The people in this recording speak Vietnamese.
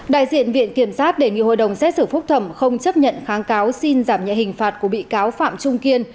đại diện viện kiểm sát đề nghị hội đồng xét xử phúc thẩm không chấp nhận kháng cáo xin giảm nhẹ hình phạt của bị cáo phạm trung kiên